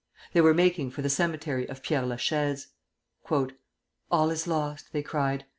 They were making for the cemetery of Père la Chaise. "All is lost!" they cried.